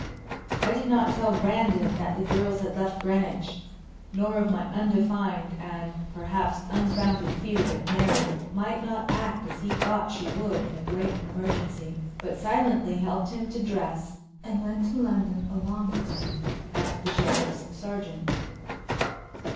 I did not tell Brandon that the girls had left Greenwich, nor of my undefined, and, perhaps, unfounded fear that Mary might not act as he thought she would in a great emergency, but silently helped him to dress and went to London along with him and the sheriff's sergeant.